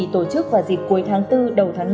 tổ chức vào dịp cuối tháng bốn đầu tháng năm